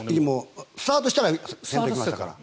スタートしたら行きましたから。